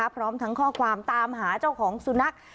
พร้อมทั้งข้อความตามหาเจ้าของสุนัข